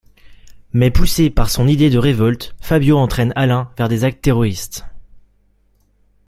Mais, poussé par son idée de révolte, Fabio entraine Alain vers des actes terroristes.